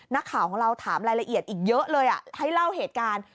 นักข่าวของเราถามรายละเอียดอีกเยอะเลยให้เล่าเหตุการณ์